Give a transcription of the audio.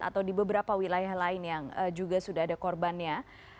atau di beberapa wilayah lain yang juga sudah ada korbannya